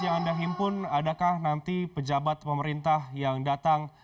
yang anda himpun adakah nanti pejabat pemerintah yang datang